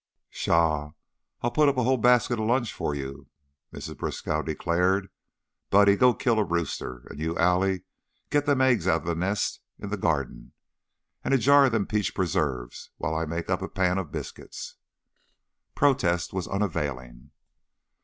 "Pshaw! I'll put up a hull basket of lunch for you," Mrs. Briskow declared. "Buddy, go kill a rooster, an' you, Allie, get them eggs out of the nest in the garden, an' a jar of them peach preserves, while I make up a pan of biscuits." Protest was unavailing.